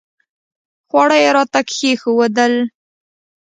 خواړه یې راته کښېښودل.